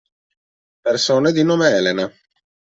Persone di nome Elena